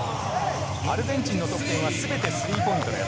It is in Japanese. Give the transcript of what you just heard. アルゼンチンの得点は全てスリーポイントです。